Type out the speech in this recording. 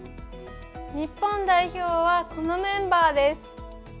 日本代表はこのメンバーです。